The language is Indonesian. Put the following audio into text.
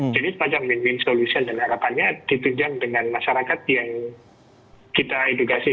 jadi sepanjang min min solution dan harapannya ditunjang dengan masyarakat yang kita edukasi